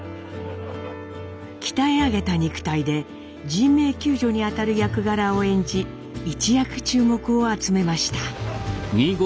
鍛え上げた肉体で人命救助に当たる役柄を演じ一躍注目を集めました。